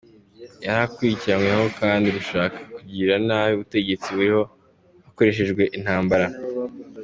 Yari akurikiranyweho kandi gushaka kugirira nabi ubutegetsi buriho hakoreshejwe intambara.